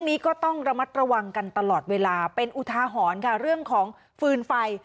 นี้ก็ต้องระมัดระวังกันตลอดเวลาเป็นอุทาหรณ์ค่ะเรื่องของฟืนไฟ